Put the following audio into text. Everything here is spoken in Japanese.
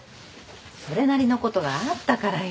それなりのことがあったからよ。